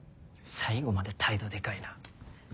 最後まで態度でかいな。